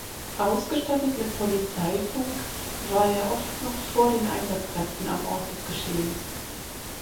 Ausgestattet mit Polizeifunk, war er oft noch vor den Einsatzkräften am Ort des Geschehens.